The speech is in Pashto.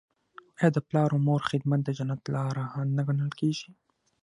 آیا د پلار او مور خدمت د جنت لاره نه ګڼل کیږي؟